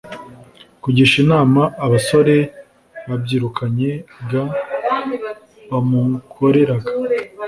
kugisha inama abasore babyirukanye g bamukoreraga